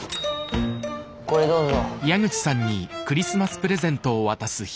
これどうぞ。